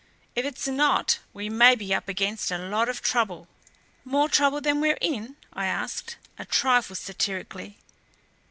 If it's not we may be up against a lot of trouble." "More trouble than we're in?" I asked, a trifle satirically.